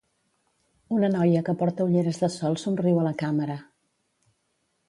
una noia que porta ulleres de sol somriu a la càmera.